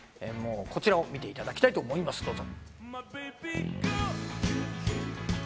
こちらを見ていただきたいと思います、どうぞ。